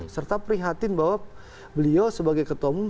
serta prihatin bahwa beliau sebagai ketua umum